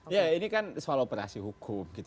ya ini kan soal operasi hukum